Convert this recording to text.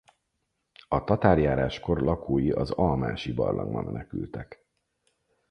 A tatárjáráskor lakói az Almási-barlangba menekültek.